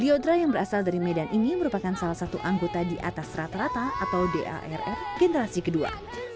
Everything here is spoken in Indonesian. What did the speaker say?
liodra yang berasal dari medan ini merupakan salah satu anggota di atas rata rata atau darf generasi kedua